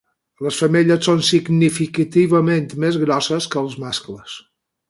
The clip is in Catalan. Les femelles són significativament més grosses que els mascles.